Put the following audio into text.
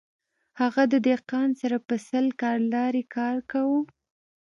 هغه د دهقان سره په سل کلدارې کار کاوه